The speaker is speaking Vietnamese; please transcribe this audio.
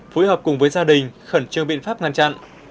phối hợp cùng với gia đình khẩn trương biện pháp ngăn chặn